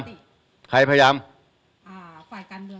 ฝ่ายการเรืองบางฝ่าย